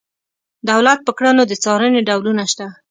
دولت په کړنو د څارنې ډولونه شته.